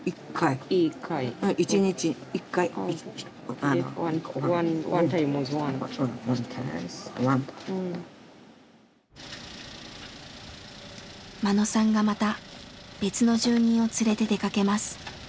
眞野さんがまた別の住人を連れて出かけます。